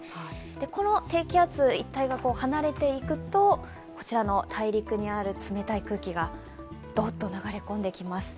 この低気圧一帯が離れていくと、こちらの大陸にある冷たい空気がドッと流れ込んできます。